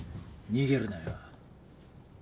逃げるなよ。